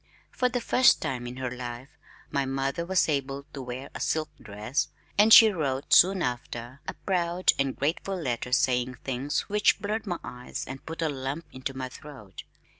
For the first time in her life, my mother was able to wear a silk dress, and she wrote, soon after, a proud and grateful letter saying things which blurred my eyes and put a lump into my throat.